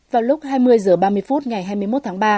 vào lúc hai mươi h ba mươi phút ngày hai mươi một tháng ba